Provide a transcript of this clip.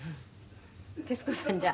徹子さんじゃ。